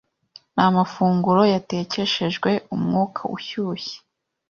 n'amafunguro yatekeshejwe umwuka ushyushye